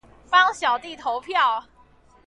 幫小弟投票